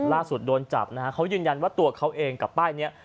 โดนจับนะฮะเขายืนยันว่าตัวเขาเองกับป้ายนี้